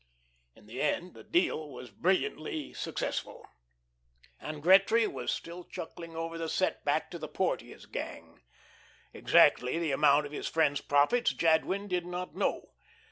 In the end the "deal" was brilliantly successful, and Gretry was still chuckling over the set back to the Porteous gang. Exactly the amount of his friend's profits Jadwin did not know.